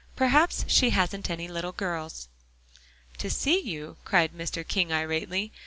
Perhaps she hasn't any little girls." "To see you?" cried Mr. King irately.